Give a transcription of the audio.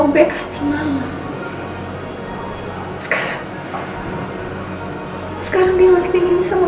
mama gak akan maafin dia